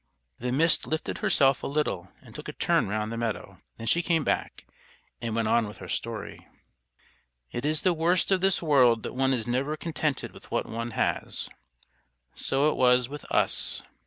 The Mist lifted herself a little and took a turn round the meadow. Then she came back, and went on with her story: "It is the worst of this world that one is never contented with what one has. So it was with us.